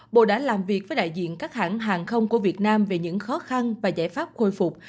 bộ đã làm việc với đại diện các hãng hàng không của việt nam về những khó khăn và giải pháp khôi phục